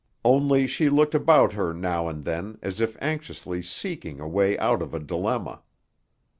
Only she looked about her now and then as if anxiously seeking a way out of a dilemma.